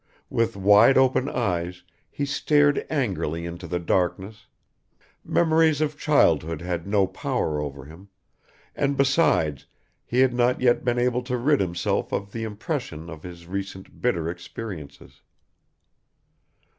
With wide open eyes he stared angrily into the darkness; memories of childhood had no power over him, and besides he had not yet been able to rid himself of the impression of his recent bitter experiences.